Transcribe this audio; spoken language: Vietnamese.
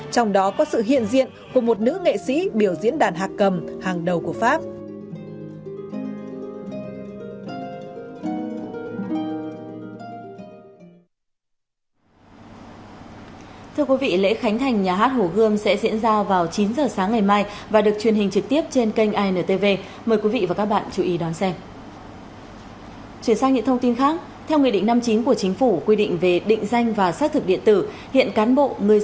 trong đó có sự hiện diện của một nữ nghệ sĩ biểu diễn đàn hạc cầm hàng đầu của pháp